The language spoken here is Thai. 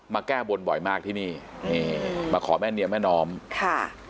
แก้บนบ่อยมากที่นี่นี่มาขอแม่เนียมแม่น้อมค่ะ